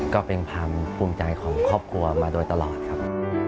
ก็เป็นความภูมิใจของครอบครัวมาโดยตลอดครับ